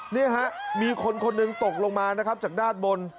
นี่ฮะมีคนคนหนึ่งตกลงมานะครับจากด้านบน